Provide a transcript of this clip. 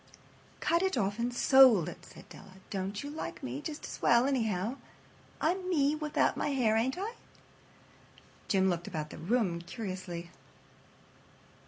"Cut it off and sold it," said Della. "Don't you like me just as well, anyhow? I'm me without my hair, ain't I?" Jim looked about the room curiously.